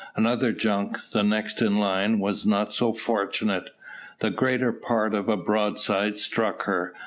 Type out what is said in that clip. Another junk, the next in the line, was not so fortunate. The greater part of a broadside struck her.